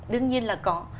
đương nhiên là có